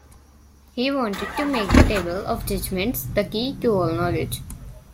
He wanted to make the table of judgments the key to all knowledge.